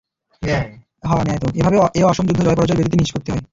এভাবে এ অসম যুদ্ধ জয়-পরাজয় ব্যতীতই নিষ্পত্তি হয়।